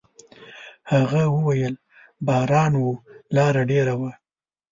هغه وويل: «باران و، لاره ډېره وه.»